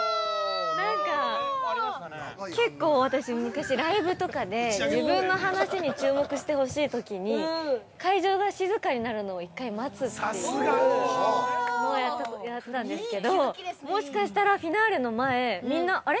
結構、私、昔、ライブとかで自分の話に注目してほしいときに会場が静かになるのを一回待つっていうのをやってたんですけどもしかしたら、フィナーレの前みんな「あれ？